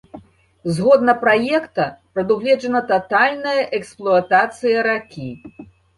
Згодна праекта, прадугледжана татальная эксплуатацыя ракі.